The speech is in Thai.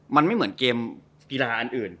มันไม่เหมือนเกมกีฬาอันอื่น